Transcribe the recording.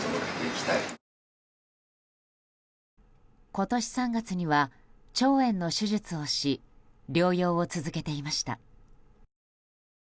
今年３月には腸炎の手術をし療養を続けていました。